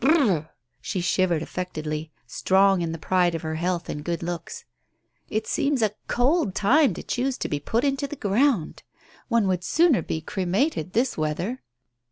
Brr !" She shivered affectedly, strong in the pride of her health and good looks. "It seems a cold time to choose to be put into the ground ! One would sooner be cremated, this weather